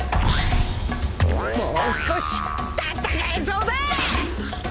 もう少し戦えそうだぁ！